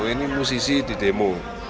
ini musisi didemo